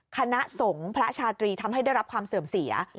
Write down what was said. คณะสงฆ์พระชาตรีทำให้ได้รับความเสื่อมเสีย